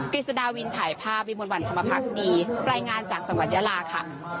ฤษฎาวินถ่ายภาพวิมวลวันธรรมพักดีรายงานจากจังหวัดยาลาค่ะ